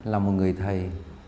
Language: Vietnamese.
là một người thầy